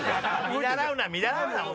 見習うな見習うな。